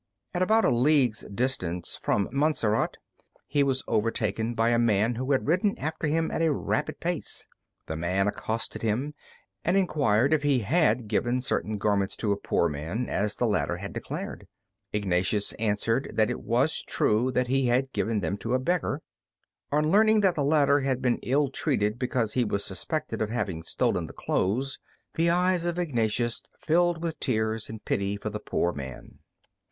At about a league's distance from Montserrat, he was overtaken by a man who had ridden after him at a rapid pace. This man accosted him and inquired if he had given certain garments to a poor man, as the latter had declared. Ignatius answered that it was true that he had given them to a beggar. On learning that the latter had been ill treated because he was suspected of having stolen the clothes, the eyes of Ignatius filled with tears, in pity for the poor man.